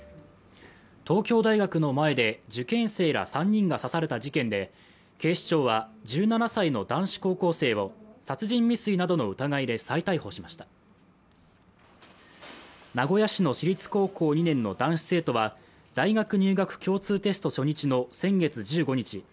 東京大学の前で受験生ら３人が刺された事件で警視庁は１７歳の男子高校生を殺人未遂などの疑いで再逮捕しました名古屋市の私立高校２年の男子生徒は大学入学共通テスト初日の先月１５日